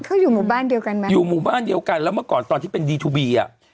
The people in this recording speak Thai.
เขาอยู่หมู่บ้านเดียวกันไหมอยู่หมู่บ้านเดียวกันแล้วเมื่อก่อนตอนที่เป็นดีทูบีอ่ะ